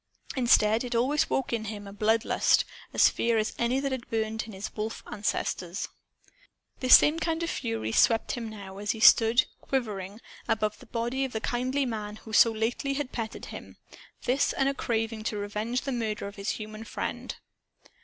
Instead, it always awoke in him a blood lust, as fierce as any that had burned in his wolf ancestors. This same fury swept him now, as he stood, quivering, above the body of the kindly man who so lately had petted him; this and a craving to revenge the murder of his human friend.